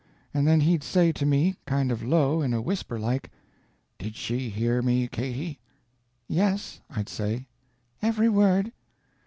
And then he'd say to me (kind of low) in a whisper like, 'Did she hear me Katy?' 'Yes,' I'd say, 'every word.'